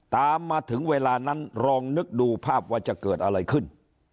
ตามมาถึงเวลานั้นลองนึกดูภาพว่าจะเกิดอะไรขึ้น